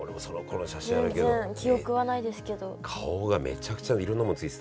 全然記憶はないですけど。